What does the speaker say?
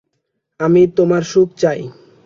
আমি তোমার সুখ চাই।